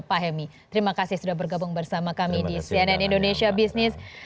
pak hemi terima kasih sudah bergabung bersama kami di cnn indonesia business